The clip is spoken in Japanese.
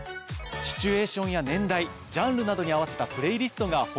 シチュエーションや年代ジャンルなどに合わせたプレイリストが豊富なんですよね。